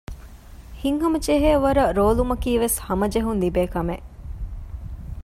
ހިތްހަމަ ޖެހޭވަރަށް ރޯލުމަކީވެސް ހަމަޖެހުން ލިބޭކަމެއް